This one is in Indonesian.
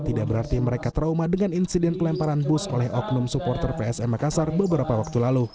tidak berarti mereka trauma dengan insiden pelemparan bus oleh oknum supporter psm makassar beberapa waktu lalu